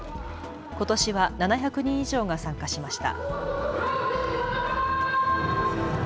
ことしは７００人以上が参加しました。